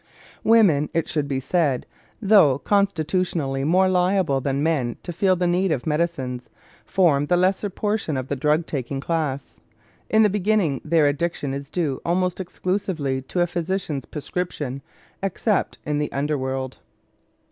Women, it should be said, though constitutionally more liable than men to feel the need of medicines, form the lesser portion of the drug taking class. In the beginning their addiction is due almost exclusively to a physician's prescription, except in the under world.